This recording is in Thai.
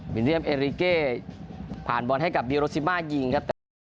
วิเนียมเอนริเก่ผ่านบอลให้กับดิโรซิมาร์ยิงครับ